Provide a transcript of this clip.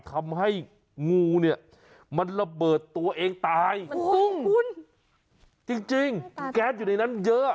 ทำให้งูเนี่ยมันระเบิดตัวเองตายโอ้โหคุณจริงจริงแก๊สอยู่ในนั้นเยอะอ่ะ